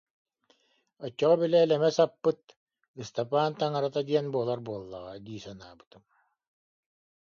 Оччоҕо били элэмэс аппыт Ыстапаан таҥарата диэн буолар буоллаҕа дии санаабытым